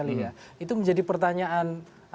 itu menjadi pertanyaan